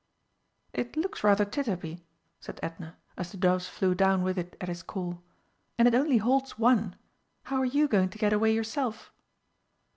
"It looks rather tit uppy," said Edna, as the doves flew down with it at his call. "And it only holds one. How are you going to get away yourself?"